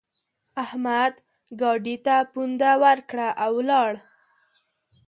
احمد ګاډي ته پونده ورکړه؛ او ولاړ.